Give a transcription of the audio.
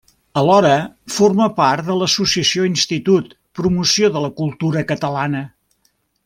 Alhora, forma part de l'Associació Institut Promoció de la Cultura Catalana.